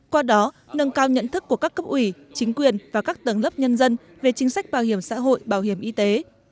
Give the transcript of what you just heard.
qua đó nâng cao nhận thức của các cấp ủy chính quyền và các tầng lớp nhân dân về chính sách bảo hiểm xã hội bảo hiểm y tế